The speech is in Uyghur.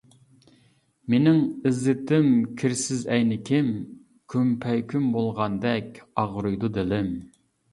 مىنىڭ ئىززىتىم-كىرسىز ئەينىكىم، كۇمپەيكۇم بولغاندەك ئاغرىيدۇ دىلىم.